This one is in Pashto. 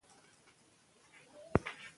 په افغانستان کې جواهرات ډېر اهمیت لري.